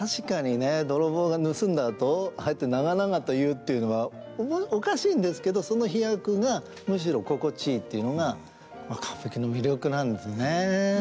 泥棒が盗んだあとああやって長々と言うっていうのはおかしいんですけどその飛躍がむしろ心地いいっていうのが歌舞伎の魅力なんですね。